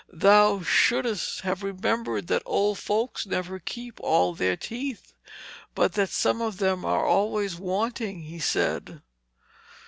'Thou shouldst have remembered that old folks never keep all their teeth, but that some of them are always wanting,' he said.